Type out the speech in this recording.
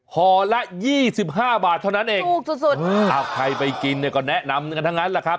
หอละ๒๕บาทเท่านั้นเองเอ้อใครไปกินก็แนะนำทั้งนั้นล่ะครับ